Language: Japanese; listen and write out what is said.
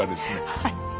はい。